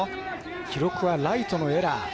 記録はライトのエラー。